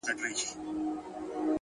زړورتیا د حرکت نوم دی،